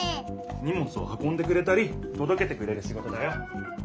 にもつをはこんでくれたりとどけてくれるシゴトだよ。